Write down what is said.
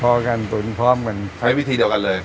พอกันตุ๋นพร้อมกันใช้วิธีเดียวกันเลย